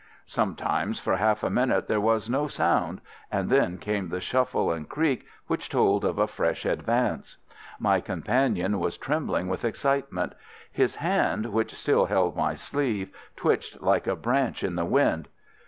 Sometimes for half a minute there was no sound, and then came the shuffle and creak which told of a fresh advance. My companion was trembling with excitement. His hand which still held my sleeve twitched like a branch in the wind.